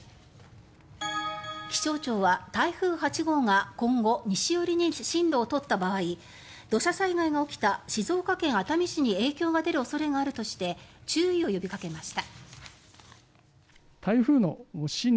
気象庁は台風８号が今後、西寄りに進路を取った場合土砂災害が起きた静岡県熱海市に影響が出る恐れがあるとして注意を呼びかけました。